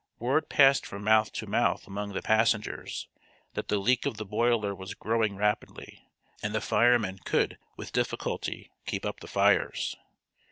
Word passed from mouth to mouth among the passengers that the leak of the boiler was growing rapidly and the firemen could with difficulty keep up the fires.